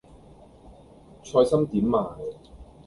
菜心點賣